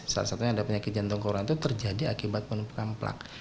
salah satunya ada penyakit jantung koron itu terjadi akibat penumpukan plak